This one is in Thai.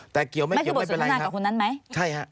แต่เกี่ยวไม่เกี่ยวไม่เป็นไรครับใช่ครับไม่คือบสิทธินากับคนนั้นไหม